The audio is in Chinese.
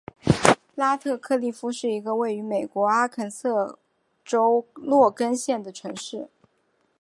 拉特克利夫是一个位于美国阿肯色州洛根县的城市。